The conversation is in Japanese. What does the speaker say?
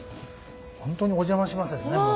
本当にお邪魔しますですねもう。